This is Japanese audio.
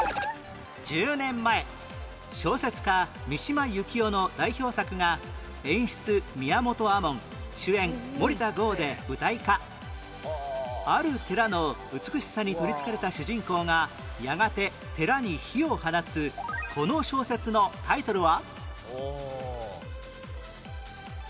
１０年前小説家ある寺の美しさに取りつかれた主人公がやがて寺に火を放つこの小説のタイトルは？